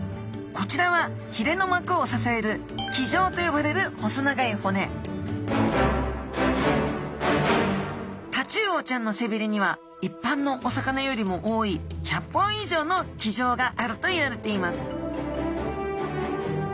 こちらはひれの膜を支える鰭条と呼ばれる細長い骨タチウオちゃんの背びれにはいっぱんのお魚よりも多い１００本以上の鰭条があるといわれています